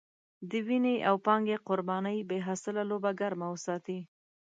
د وينې او پانګې قربانۍ بې حاصله لوبه ګرمه وساتي.